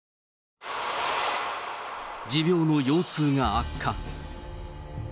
持病の腰痛が悪化。